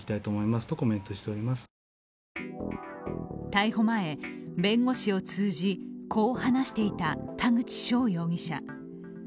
逮捕前、弁護士を通じこう話していた田口翔容疑者。